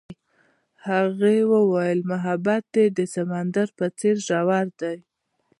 هغې وویل محبت یې د سمندر په څېر ژور دی.